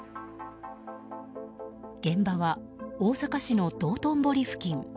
現場は大阪市の道頓堀付近。